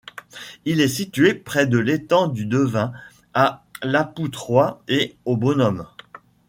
Il est situé près de l'étang du Devin à Lapoutroie et au Bonhomme.